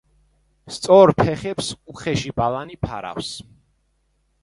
სწორ ფეხებს უხეში ბალანი ფარავს.